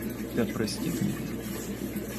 Да простит меня...